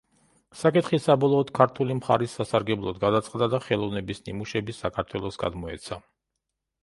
საკითხი საბოლოოდ ქართული მხარის სასარგებლოდ გადაწყდა და ხელოვნების ნიმუშები საქართველოს გადმოეცა.